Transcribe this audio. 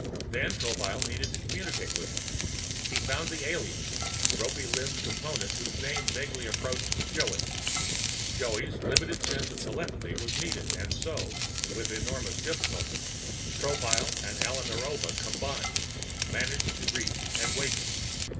Then Tropile needed to communicate with them. He found the alien, ropy limbed Component whose name vaguely approached "Joey." Joey's limited sense of telepathy was needed and so, with enormous difficulty, Tropile and Alla Narova, combined, managed to reach and wake it.